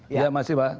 iya masih pak